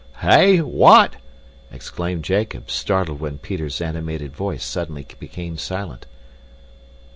"Hey! What?" exclaimed Jacob, startled when Peter's animated voice suddenly became silent.